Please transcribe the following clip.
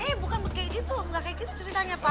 eh bukan kayak gitu nggak kayak gitu ceritanya pak